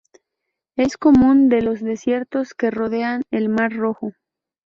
Es común de los desiertos que rodean el mar Rojo.